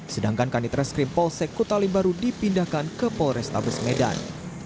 sedangkan kanitra skrimpolsek kitalimbaru dipindahkan ke kapolres tabes medan